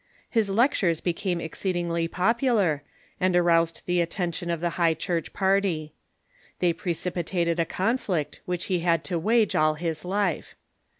His lectures became ex ceedingly popular, and aroused the attention of the High Church party. They precipitated a conflict Avhich he had to wage all his life.